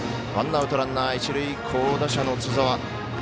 ワンアウト、ランナー、一塁好打者の津澤。